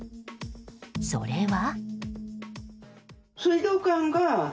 それは。